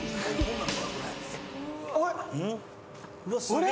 あれ？